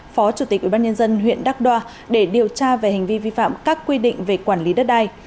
phó chủ tịch ubnd huyện đắk đoa để điều tra về hành vi vi phạm các quy định về quản lý đất đai